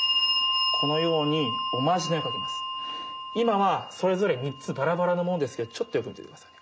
今はそれぞれ３つバラバラなものですけどちょっとよく見て下さい。